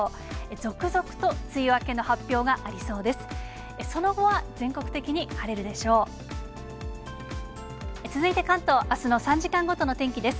続々と梅雨明けの発表がありそうです。